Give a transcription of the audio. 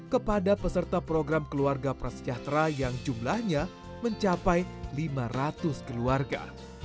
kepada peserta program keluarga prasejahtera yang jumlahnya mencapai lima ratus keluarga